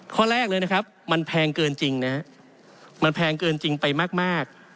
ข้อแรกเลยนะครับมันแพงเกินจริงนะฮะมันแพงเกินจริงไปมาก